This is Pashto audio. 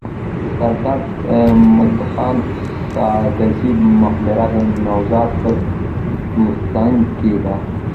د سرداد مددخان ساکزي مقبره د نوزاد په دوسنګ کي ده.